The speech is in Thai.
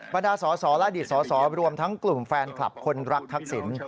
บรรดาสอสอและอดีตสอสอรวมทั้งกลุ่มแฟนคลับคนรักทักษิณ